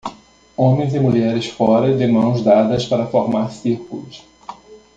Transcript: Homens e mulheres fora de mãos dadas para formar círculos.